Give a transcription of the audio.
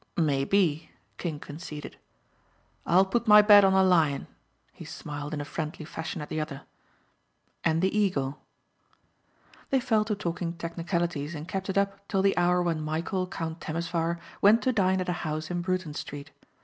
"Maybe," King conceded, "I'll put my bet on the Lion," he smiled in a friendly fashion at the other, "and the Eagle." They fell to talking technicalities and kept it up till the hour when Michæl, Count Temesvar went to dine at a house in Bruton street.